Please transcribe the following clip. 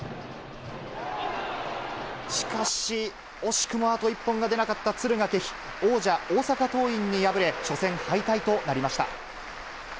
しかし惜しくもあと一本が出なかった敦賀気比、王者、大阪桐蔭に敗れ、初戦敗退となりました。